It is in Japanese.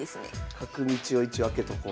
角道を一応開けとこう。